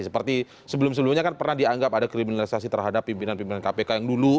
seperti sebelum sebelumnya kan pernah dianggap ada kriminalisasi terhadap pimpinan pimpinan kpk yang dulu